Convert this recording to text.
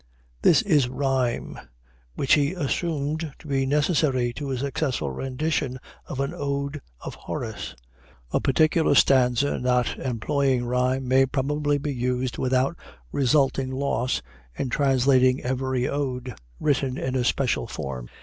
This is rhyme, which he assumed to be necessary to a successful rendition of an ode of Horace. A particular stanza not employing rhyme may probably be used without resulting loss in translating every ode written in a special form.